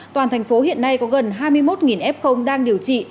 toàn thành phố hiện nay có gần hai mươi một f đang điều trị